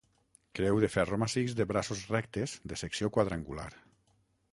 Creu de ferro massís de braços rectes de secció quadrangular.